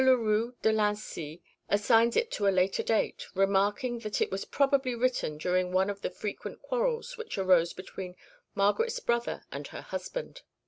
Le Roux de Lincy assigns it to a later date, remarking that it was probably written during one of the frequent quarrels which arose between Margaret's brother and her husband.